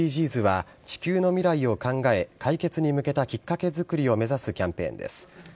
ＳＤＧｓは、地球の未来を考え、解決に向けたきっかけ作りを目指すキャンペーンです。